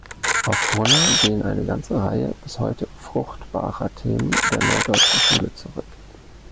Auf Brunner gehen eine ganze Reihe bis heute fruchtbarer Themen der neudeutschen Schule zurück.